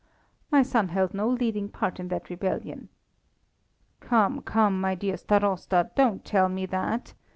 "My son held no leading part in that rebellion." "Come, come, my dear Starosta, don't tell me that.